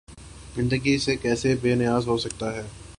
زندگی سے کیسے بے نیاز ہو سکتا ہے؟